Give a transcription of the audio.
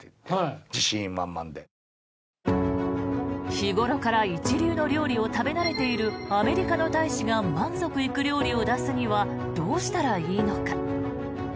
日頃から一流の料理を食べ慣れているアメリカの大使が満足いく料理を出すにはどうしたらいいのか。